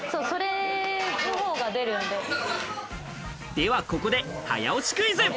ではここで早押しクイズ。